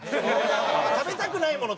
食べたくないもの